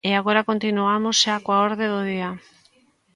E agora continuamos xa coa orde do día.